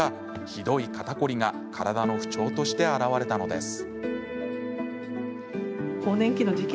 ひどい肩こりが体の不調として現れたのです。